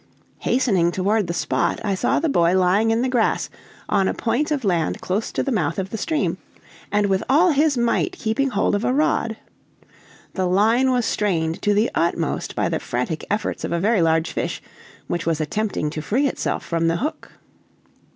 Hastening toward the spot, I saw the boy lying in the grass, on a point of land close to the mouth of the stream, and with all his might keeping hold of a rod. The line was strained to the utmost by the frantic efforts of a very large fish, which was attempting to free itself from the hook.